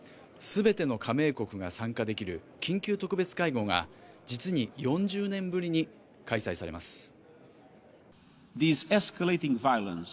全ての加盟国が参加できる緊急特別会合が実に４０年ぶりに開催されます。